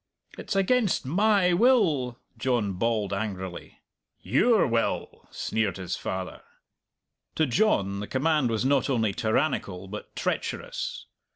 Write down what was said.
"It's against my will," John bawled angrily. "Your will!" sneered his father. To John the command was not only tyrannical, but treacherous.